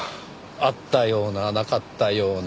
あったようななかったような。